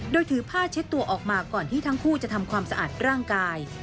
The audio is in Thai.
โดยถือผ้าเช็ดตัวออกมาก่อนที่ทั้งคู่จะทำความสะอาดร่างกาย